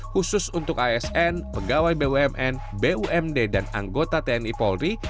khusus untuk asn pegawai bumn bumd dan anggota tni polri